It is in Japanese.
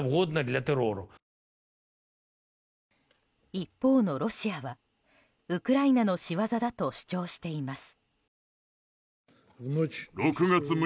一方のロシアは、ウクライナの仕業だと主張しています。